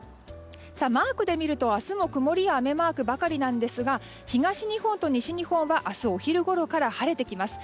マークで見ると、明日も曇りや雨マークばかりですが東日本と西日本は明日お昼ごろから晴れてきます。